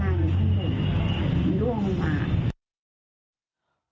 มันร่วงมาก